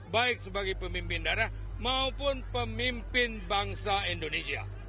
baik sebagai pemimpin daerah maupun pemimpin bangsa indonesia